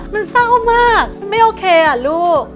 มันเศร้ามากมันไม่โอเคอ่ะลูก